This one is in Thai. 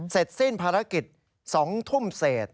เสร็จสิ้นภารกิจ๒ทุ่มเศษ